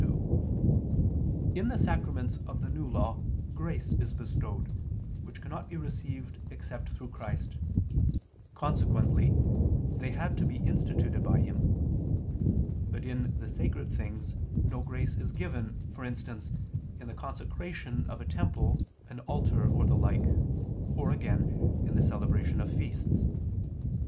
2: In the sacraments of the New Law grace is bestowed, which cannot be received except through Christ: consequently they had to be instituted by Him. But in the sacred things no grace is given: for instance, in the consecration of a temple, an altar or the like, or, again, in the celebration of feasts.